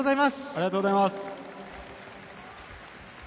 ありがとうございます。